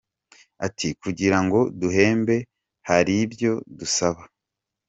Ati “Kugira ngo duhembe hari ibyo dusaba.